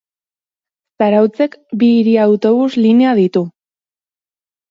Zarautzek bi hiri-autobus linea ditu.